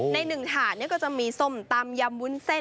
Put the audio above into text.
ในหนึ่งถาดก็จะมีส้มตำยำวุ้นเส้น